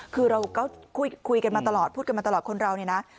คือเราก็คุยกันมาตลอดพูดกันมาตลอดคนเราเนี่ยนะ